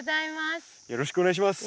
よろしくお願いします。